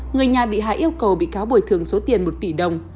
người nhà bị hại yêu cầu bị cáo bồi thường số tiền một tỷ đồng